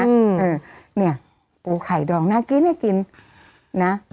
เออเนี่ยปูไข่ดองน่ากินน่ากินนะ